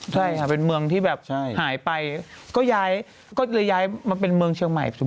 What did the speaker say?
ใช่ค่ะเป็นเมืองที่แบบหายไปก็ย้ายมาเป็นเมืองเชียงใหม่ปัจจุบัน